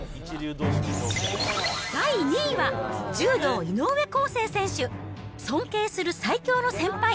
第２位は、柔道、井上康生選手。尊敬する最強の先輩！